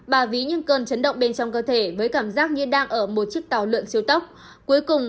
bà ví những cơn chấn động bên trong cơ thể với cảm giác như đang ở một chiếc tàu lượn siêu tốc cuối cùng